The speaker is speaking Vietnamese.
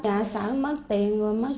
nhà xã mất tiền rồi mất